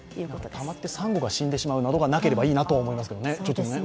たまってさんごが死んでしまうことがなければいいと思いますね。